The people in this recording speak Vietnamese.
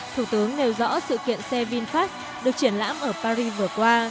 thủ tướng nêu rõ sự kiện xe vinfast được triển lãm ở paris vừa qua